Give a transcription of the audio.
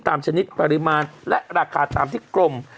ชนิดปริมาณและราคาตามที่กลม